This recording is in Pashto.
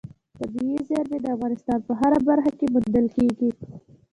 طبیعي زیرمې د افغانستان په هره برخه کې موندل کېږي.